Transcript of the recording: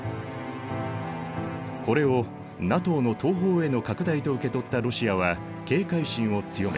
これをＮＡＴＯの東方への拡大と受け取ったロシアは警戒心を強め